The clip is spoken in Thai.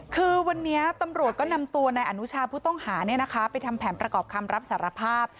คือวันนี้ตำรวจก็นำตัวนายอนุชาผู้ต้องหาไปทำแผนประกอบคำรับสารภาพ